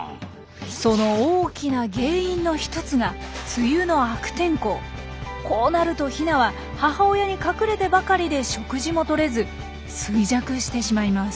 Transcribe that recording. その大きな原因の一つがこうなるとヒナは母親に隠れてばかりで食事もとれず衰弱してしまいます。